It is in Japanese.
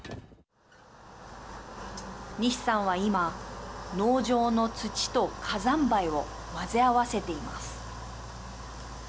ニシさんは今、農場の土と火山灰を混ぜ合わせています。